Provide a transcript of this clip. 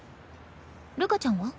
るかちゃんは？